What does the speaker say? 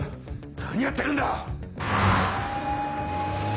何やってるんだ！